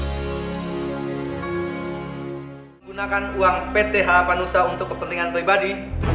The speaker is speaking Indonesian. pertama kita menggunakan uang pt harapan usaha untuk kepentingan pribadi